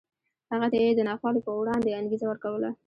هغه ته یې د ناخوالو په وړاندې انګېزه ورکوله